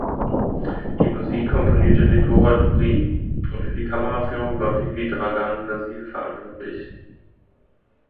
Die Musik komponierte Deborah Lurie und für die Kameraführung war Vivi Dragan Vasile verantwortlich.